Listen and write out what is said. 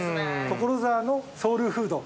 所沢のソウルフード。